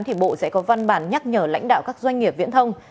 thì bộ sẽ có văn bản nhắc nhở lãnh đạo các doanh nghiệp viễn thông